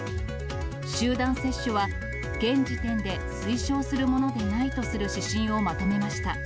集団接種は現時点で推奨するものでないとする指針をまとめました。